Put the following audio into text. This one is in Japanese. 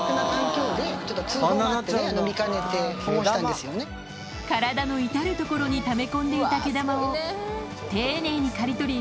でまたうれしい知らせが体の至る所にため込んでいた毛玉を丁寧に刈り取り